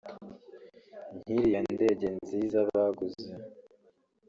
nkiriya ndege nziza baguze